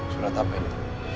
surat apa itu